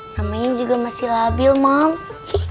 namanya juga masih labil mams